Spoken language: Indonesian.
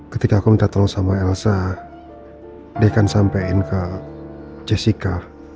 ketika aku minta tolong sama elsa dia akan sampaikan ke jessica